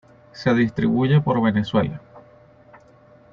Se distribuye por Venezuela.